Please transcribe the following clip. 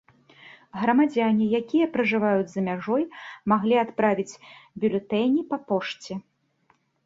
Грамадзяне, якія пражываюць за мяжой, маглі адправіць бюлетэні па пошце.